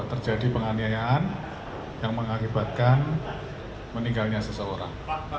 terjadi penganiayaan yang mengakibatkan meninggalnya seseorang